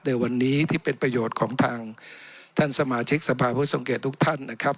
ในวันนี้ที่เป็นประโยชน์ของทางท่านสมาชิกสภาผู้ทรงเกียจทุกท่านนะครับ